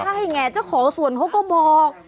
เก้าไหนจะขอส่วนเค้าก็บอก